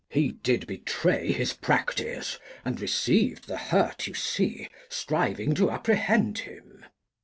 Glost. He did betray his Practice, and receiv'd The Hurt you see, striving to apprehend him.